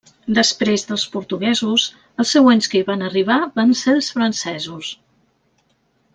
Després dels portuguesos, els següents que hi van arribar van ser els francesos.